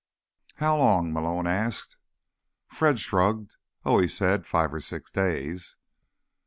"How long?" Malone asked. Fred shrugged. "Oh," he said, "five or six days."